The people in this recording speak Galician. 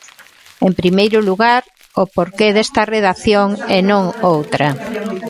En primeiro lugar, o porqué desta redacción e non outra.